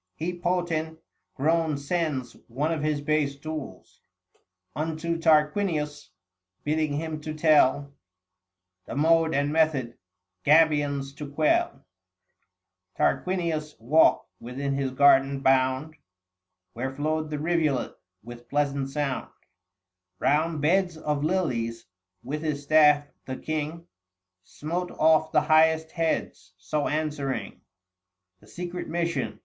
He potent grown sends one of his base tools 750 Unto Tarquinius, bidding him to tell The mode and method Gabians to quell. Tarquinius walked within his garden bound, Where flowed the rivulet with pleasant sound Round beds of lilies : with his staff, the king 755 Smote off the highest heads ; so answering The secret mission.